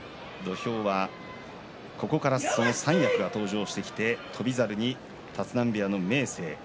ここから三役が登場してきて翔猿に立浪部屋の明生です。